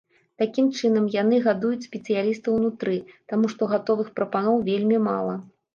Такім чынам, яны гадуюць спецыялістаў унутры, таму што гатовых прапаноў вельмі мала.